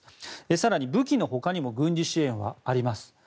更に、武器のほかにも軍事支援はあります。